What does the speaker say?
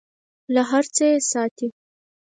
له هر څه یې ساتي .